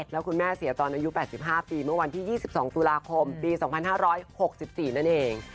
แล้วคุณแม่เสียตอนอายุ๘๕ปีเมื่อวันที่๒๒ตุลาคมปี๒๕๖๔นั่นเอง